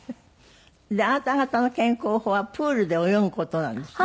あなた方の健康法はプールで泳ぐ事なんですって？